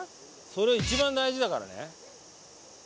それ一番大事だからね。